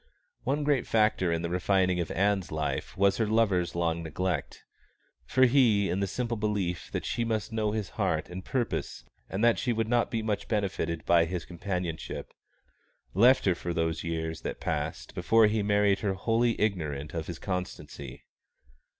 One great factor in the refining of Ann's life was her lover's long neglect; for he, in the simple belief that she must know his heart and purpose and that she would not be much benefited by his companionship, left her for those years that passed before he married her wholly ignorant of his constancy.